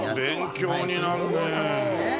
勉強になるねえ。